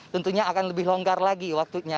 tentunya akan lebih longgar lagi waktunya